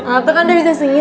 itu kan dia bisa senyum